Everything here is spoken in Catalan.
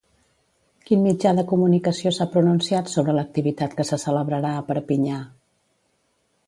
Quin mitjà de comunicació s'ha pronunciat sobre l'activitat que se celebrarà a Perpinyà?